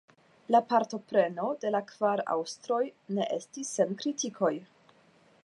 La partopreno de la kvar aŭstroj ne estis sen kritikoj.